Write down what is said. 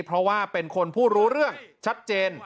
เพราะว่าเป็นคนผู้รู้เรื่องชัดเจน